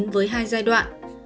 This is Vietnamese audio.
với hai giai đoạn